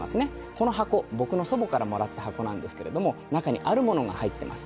この箱僕の祖母からもらった箱なんですけれども中にあるものが入っています。